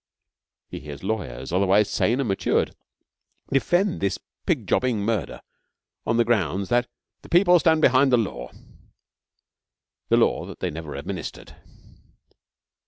He hears lawyers, otherwise sane and matured, defend this pig jobbing murder on the grounds that 'the People stand behind the Law' the law that they never administered.